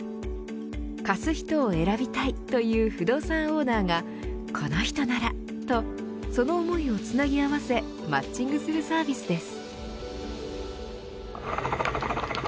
貸す人を選びたいという不動産オーナーがこの人ならとその思いをつなぎ合わせマッチングするサービスです。